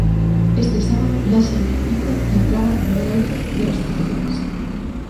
Este sábado Laxe e Malpica entraban no nivel alto de restricións.